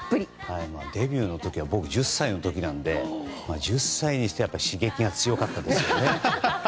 デビューの時は僕、１０歳の時なので１０歳にしては刺激が強かったですよね。